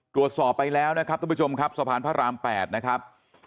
ตรวจสอบไปแล้วนะครับทุกผู้ชมครับสะพานพระราม๘นะครับ